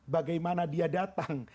bagaimana dia datang